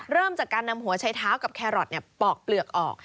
เริ่มจากการนำหัวใช้เท้ากับแครอทปอกเปลือกออก